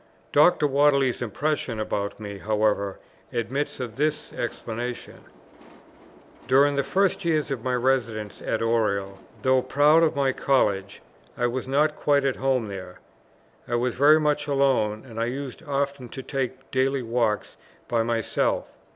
Dr. Whately's impression about me, however, admits of this explanation: During the first years of my residence at Oriel, though proud of my College, I was not quite at home there. I was very much alone, and I used often to take my daily walk by myself.